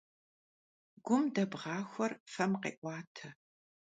Gum debğaxuer fem khê'uate.